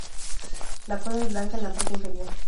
La cola es blanca en la parte inferior.